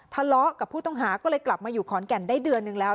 ทะเลาะกับผู้ต้องหาก็เลยกลับมาอยู่ขอนแก่นได้เดือนนึงแล้ว